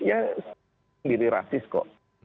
ya sendiri rasis kok